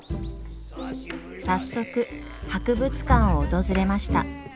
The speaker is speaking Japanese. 早速博物館を訪れました。